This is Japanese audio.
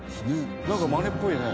なんかマネっぽいね。